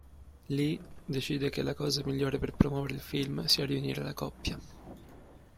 Lee decide che la cosa migliore per promuovere il film sia riunire la coppia.